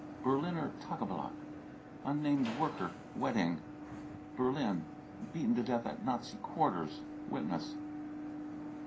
(Berliner Tageblatt .) unnamed worker. Wedding, Berlin, beaten to death at Nazi quarters, (Witness.)